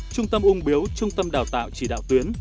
trung tâm ung biếu trung tâm đào tạo chỉ đạo tuyến